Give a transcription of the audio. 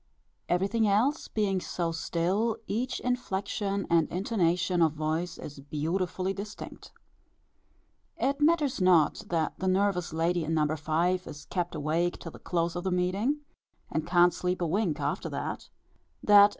Everything else being so still, each inflection and intonation of voice is beautifully distinct. It matters not that the nervous lady in No. 5. is kept awake till the close of the meeting, and can't sleep a wink after that; that No.